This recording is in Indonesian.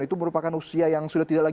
itu merupakan usia yang sudah tidak lagi